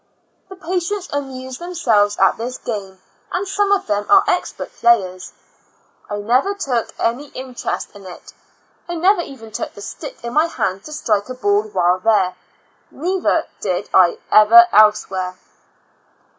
The patients amuse themselves at this game, and some of them are expert players. I never took any inte rest in it; I never even took the stick in my hand to strike a ball while there, — neither did I ever elsewhere.